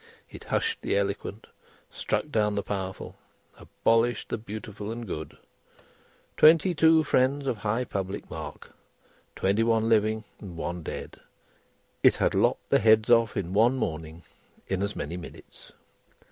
It hushed the eloquent, struck down the powerful, abolished the beautiful and good. Twenty two friends of high public mark, twenty one living and one dead, it had lopped the heads off, in one morning, in as many minutes.